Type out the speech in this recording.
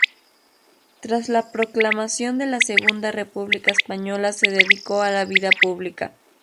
Tras la proclamación de la Segunda República Española se dedicó a la vida pública.